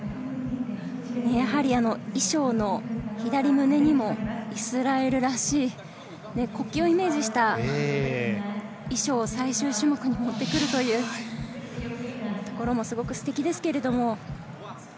衣装の左胸にもイスラエルらしい国旗をイメージした衣装を最終種目に持ってくるところもすごくステキですけれども。